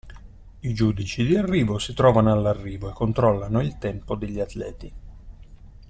I giudici di arrivo si trovano all'arrivo e controllano il tempo degli atleti.